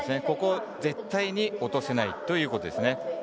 ここを絶対に落とせないということです。